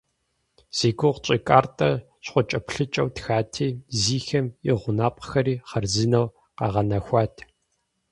Зи гугъу тщӏы картэр щхъуэкӏэплъыкӏэу тхати, Зихием и гъунапкъэхэри хъарзынэу къэгъэнэхуат.